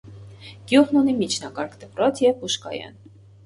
Գյուղն ունի միջնակարգ դպրոց և բուժկայան։